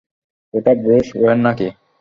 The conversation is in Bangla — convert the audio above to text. ওটা ব্রুস ওয়েন নাকি?